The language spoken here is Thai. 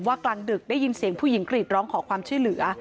กลางดึกได้ยินเสียงผู้หญิงกรีดร้องขอความช่วยเหลือ